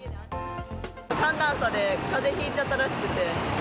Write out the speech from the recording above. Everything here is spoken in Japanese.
寒暖差でかぜひいちゃったらしくて。